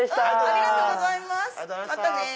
ありがとうございますまたね！